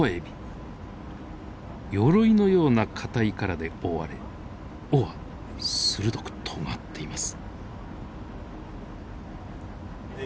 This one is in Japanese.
よろいのような硬い殻で覆われ尾は鋭くとがっています。